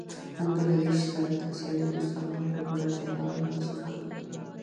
بنګله دېش سره تر سياليو وروسته افغان لوبډله زېمبابوې ته سفر کوي